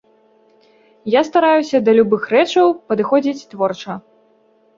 Я стараюся да любых рэчаў падыходзіць творча.